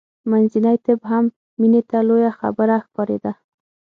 منځنی طب هم مینې ته لویه خبره ښکارېده